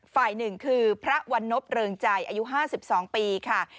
ฝ่ายหนึ่งคือพระวันนพเริงใจอายุ๕๒ปีค่ะ